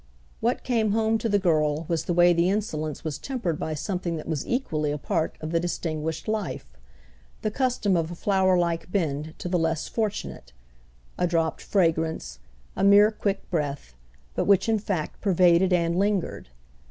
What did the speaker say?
What came home to the girl was the way the insolence was tempered by something that was equally a part of the distinguished life, the custom of a flowerlike bend to the less fortunate—a dropped fragrance, a mere quick breath, but which in fact pervaded and lingered.